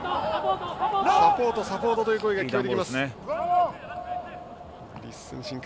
サポート、サポートという声が聞こえてきます。